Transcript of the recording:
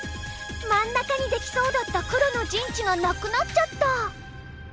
真ん中にできそうだった黒の陣地がなくなっちゃった！